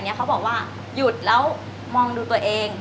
เขาบอกว่าหยุดแล้วมองดูตัวเอง